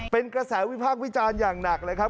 เป็นกระแสวิพากษ์วิจารณ์อย่างหนักเลยครับ